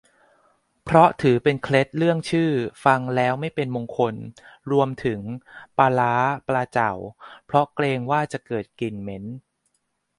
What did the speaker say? เพราะถือเคล็ดเรื่องชื่อฟังแล้วไม่เป็นมงคล รวมถึง ปลาร้า ปลาเจ่า เพราะเกรงว่าจะเกิดกลิ่นเหม็น